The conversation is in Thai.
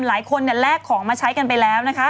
หลายคนแลกของมาใช้กันไปแล้วนะคะ